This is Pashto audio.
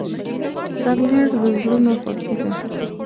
چاکلېټ د زړونو خوښي ده.